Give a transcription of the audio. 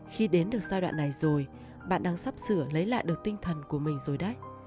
khi đến được giai đoạn này rồi bạn đang sắp sửa lấy lại được tinh thần của mình rồi đấy